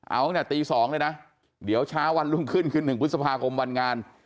เอาเนี่ยตีสองเลยนะเดี๋ยวเช้าวันลุงขึ้น๑พฤษภาคมวันงาน